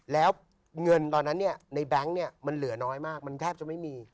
แล้วเงินตอนนั้นในแบงค์มันเหลือน้อยมากมันแทบจะไม่มี